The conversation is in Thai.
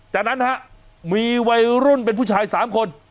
จากนั้นฮะมีวัยรุ่นเป็นผู้ชาย๓คน